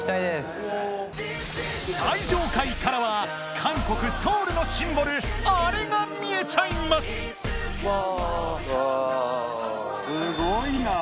最上階からは韓国・ソウルのシンボルあれが見えちゃいます・うわ・・